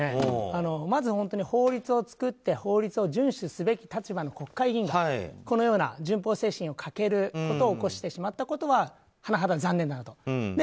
まず法律を作って法律を順守すべき立場の国会議員がこのような順法精神に欠けることを起こしてしまったことは甚だ残念だなと。